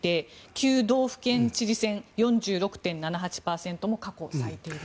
９道府県知事選４６．７８％も過去最低です。